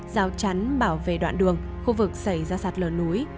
giao chắn bảo vệ đoạn đường khu vực xảy ra sạt lờ núi